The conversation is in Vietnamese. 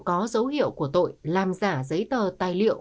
có dấu hiệu của tội làm giả giấy tờ tài liệu